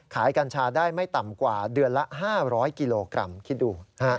กัญชาได้ไม่ต่ำกว่าเดือนละ๕๐๐กิโลกรัมคิดดู